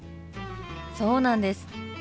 そうなんです。